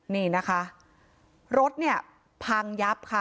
นี่นะคะรถเนี่ยพังยับค่ะ